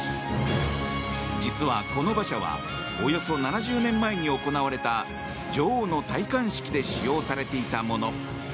実は、この馬車はおよそ７０年前に行われた女王の戴冠式で使用されていたもの。